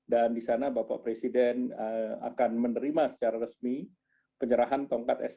dan di sana bapak presiden akan menerima secara resmi penyerahan tongkat esensial